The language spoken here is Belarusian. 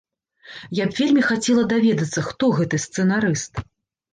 Я б вельмі хацела даведацца, хто гэты сцэнарыст.